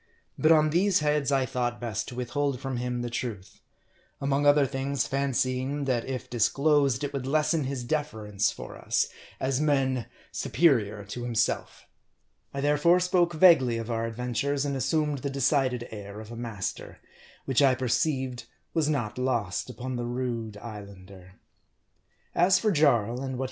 But on these heads I thought best to withhold from him the truth ; among other things, fancying that if disclosed, it would lessen his deference for us, as men superior to him self. I therefore spoke vaguely of our adventures, and assumed the decided air of a master ; which I perceived was not lost upon the rude Islander. As for Jarl, and what 110 M A R D I.